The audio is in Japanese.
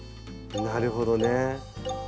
なるほどね。